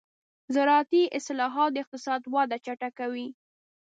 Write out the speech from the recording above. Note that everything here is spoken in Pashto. زراعتي اصلاحات د اقتصاد وده چټکوي.